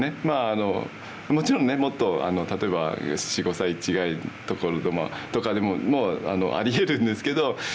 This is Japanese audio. まあもちろんねもっと例えば４５歳違いとかでももうありえるんですけど。